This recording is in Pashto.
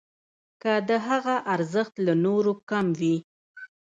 که د هغه ارزښت له نورو کم وي.